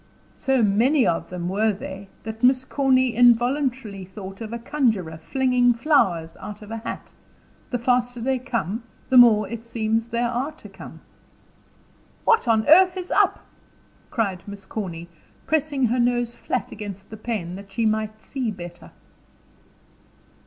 So many of them were they that Miss Corny involuntarily thought of a conjuror flinging flowers out of a hat the faster they come, the more it seems there are to come. "What on earth is up?" cried Miss Corny, pressing her nose flat against the pane, that she might see better.